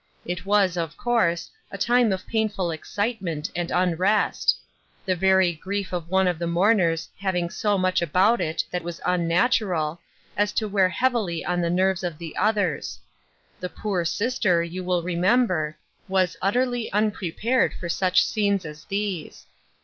It was, of course, a time of painful excitement and unrest ; the very grief of one of the mourners having so much about it that was unnatural, as to wear heavily on the nerves of the others. The poor sister, you will remember, was utterly unprepared for such scenes as these.